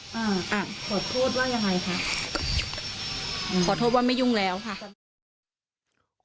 ขอโทษว่าไม่ยุ่งแล้วค่ะ